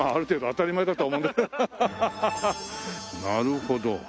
なるほど。